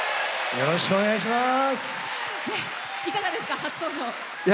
よろしくお願いします！